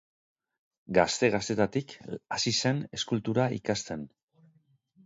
Gazte-gaztetatik hasi zen eskultura ikasten.